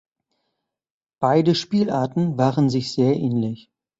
Beide Spielarten waren sich sehr ähnlich.